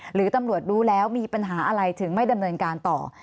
หรือตำรวจรู้แล้วมีปัญหาอะไรถึงไม่ดำเนินการต่อ